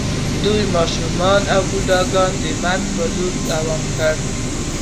دوی ماشومان او بوډاګان د مرګ په لور روان کړل